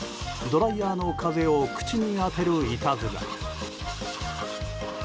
ドライヤーの風を口に当てるいたずら。